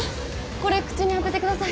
これ口に当ててください